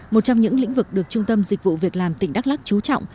một trong những lĩnh vực được trung tâm dịch vụ việc làm tỉnh đắk lắc chú trọng